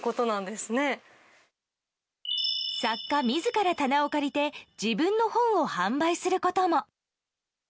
作家自ら棚を借りて自分の本を販売することも。